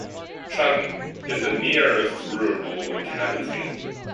Trun is the nearest rural locality.